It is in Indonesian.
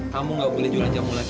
kamu gak beli jualan jamu lagi